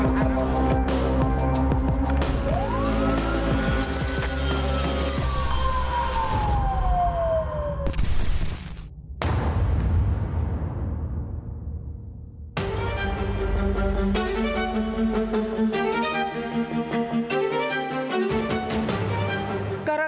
สวัสดีครับ